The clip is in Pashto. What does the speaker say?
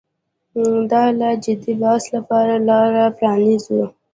د لا جدي بحث لپاره لاره پرانیزو.